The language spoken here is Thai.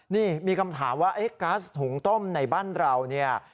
นี่มีคำถามว่าไอ้ก๊าซหุงต้มในบ้านเราเนี่ย